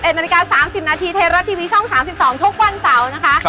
นาฬิกา๓๐นาทีเทราะทีวีช่อง๓๒ทุกวันเต๋านะคะ